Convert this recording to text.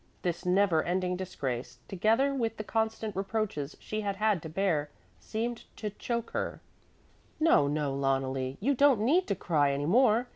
This neverending disgrace, together with the constant reproaches she had had to bear, seemed to choke her, "No, no, Loneli, you don't need to cry any more.